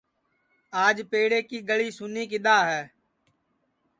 آج پیڑے کی گݪی سُنی کِدؔا ہے